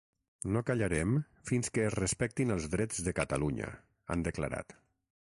No callarem fins que es respectin els drets de Catalunya, han declarat.